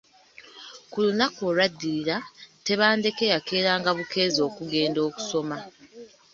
Ku lunaku olw’addirira, Tebandeke yakeeranga bukeezi okugenda okusoma.